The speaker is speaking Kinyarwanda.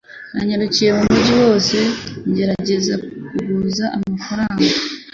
Nanyarukiye mu mujyi wose ngerageza kuguza amafaranga